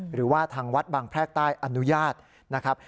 หรือว่าทางวัดบางแพรกใต้อนุญาตนะครับ